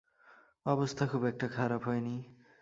অবস্থা খুব একটা খারাপ হয়নি।